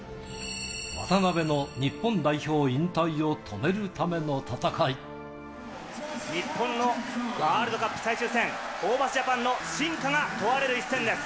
渡邊の日本代表引退を止めるため日本のワールドカップ最終戦、ホーバスジャパンの真価が問われる一戦です。